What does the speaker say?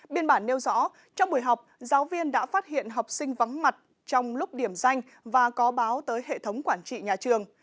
biên bản nêu rõ trong buổi học giáo viên đã phát hiện học sinh vắng mặt trong lúc điểm danh và có báo tới hệ thống quản trị nhà trường